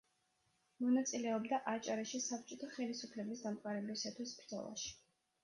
მონაწილეობდა აჭარაში საბჭოთა ხელისუფლების დამყარებისათვის ბრძოლაში.